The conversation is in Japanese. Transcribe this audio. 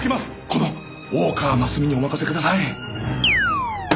この大河真澄にお任せください！